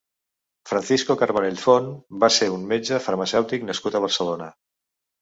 Francisco Carbonell Font va ser un metge farmacèutic nascut a Barcelona.